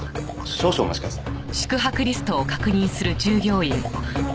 少々お待ちください。